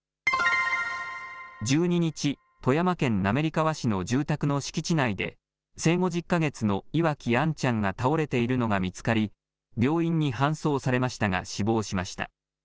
１２日、富山県滑川市の住宅の敷地内で生後１０か月の岩城杏ちゃんが倒れているのが見つかり病院に搬送されましたが死亡しました。